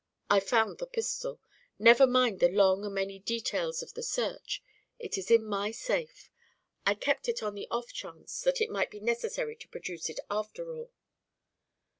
I found the pistol. Never mind the long and many details of the search. It is in my safe. I kept it on the off chance that it might be necessary to produce it after all."